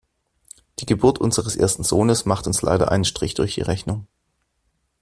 Die Geburt unseres ersten Sohnes macht uns leider einen Strich durch die Rechnung.